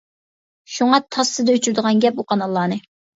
شۇڭا تاسسىدە ئۆچۈرىدىغان گەپ ئۇ قاناللارنى.